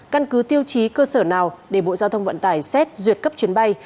căn cứ tiêu chí cơ sở nào để bộ giao thông vận tải xét duyệt cấp chuyến bay